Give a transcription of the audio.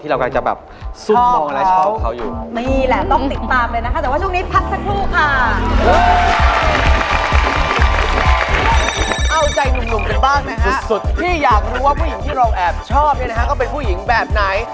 ที่อยากรู้ว่าผู้หญิงที่เราแอบชอบเนี่ยนะคะก็เป็นผู้หญิงแบบไหน